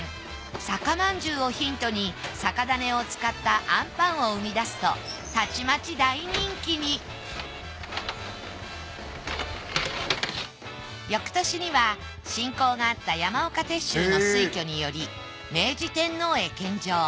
酒饅頭をヒントに酒種を使ったあんぱんを生み出すとたちまち大人気に翌年には親交があった山岡鉄舟の推挙により明治天皇へ献上。